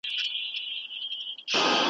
د باغلیو کروندو ته یې روان کړل .